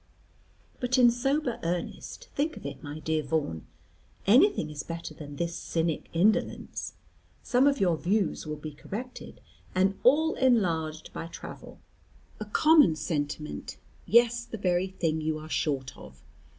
But in sober earnest, think of it, my dear Vaughan. Anything is better than this cynic indolence. Some of your views will be corrected, and all enlarged by travel. A common sentiment. Yes, the very thing you are short of.